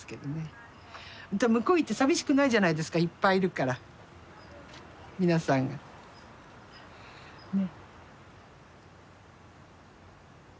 向こう行って寂しくないじゃないですかいっぱいいるから皆さんが。ね。